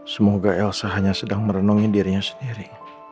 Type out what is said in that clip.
semoga elsa hanya sedang merenungi dirinya sendiri